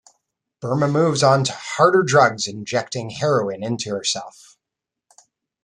Burma moves on to harder drugs injecting heroin into herself.